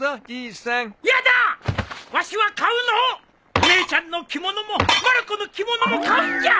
お姉ちゃんの着物もまる子の着物も買うんじゃ！